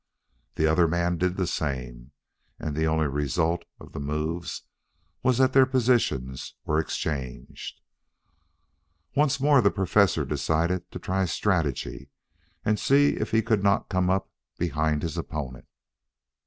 The other man did the same, and the only result of the move was that their positions were exchanged. Once more the Professor decided to try strategy and see if he could not come up behind his opponent.